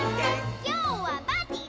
「きょうはパーティーだ！」